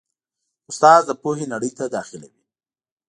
استاد د پوهې نړۍ ته داخلوي.